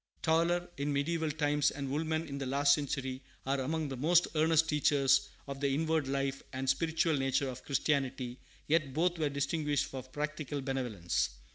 Tauler in mediaeval times and Woolman in the last century are among the most earnest teachers of the inward life and spiritual nature of Christianity, yet both were distinguished for practical benevolence.